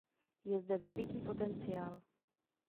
Je zde veliký potenciál.